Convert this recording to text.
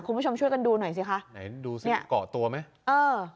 คุณผู้ชมช่วยกันดูหน่อยสิคะไหนดูสิเกาะตัวไหมเออ